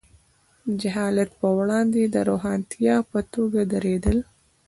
د جهالت پر وړاندې د روښانتیا په توګه درېدل.